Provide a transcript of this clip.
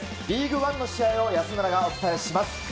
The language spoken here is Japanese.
リーグワンの試合を安村がお伝えします。